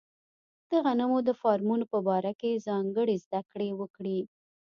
د غنمو د فارمونو په باره کې ځانګړې زده کړې وکړي.